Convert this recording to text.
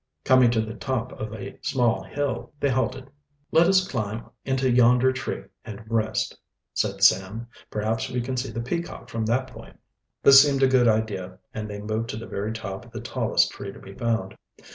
Coming to the top of a small hill, they halted. "Let us climb into yonder tree and rest," said Sam. "Perhaps we can see the Peacock from that point." This seemed a good idea, and they moved to the very top of the tallest tree to be found.